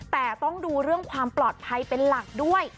แต่ต้องดูเรื่องความปลอดภัยเป็นหลักด้วย